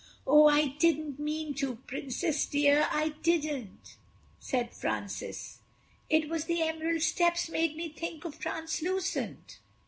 "Oh, I didn't mean to—Princess dear, I didn't," said Francis. "It was the emerald steps made me think of translucent."